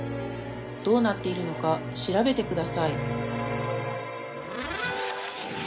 「どうなっているのか調べてください」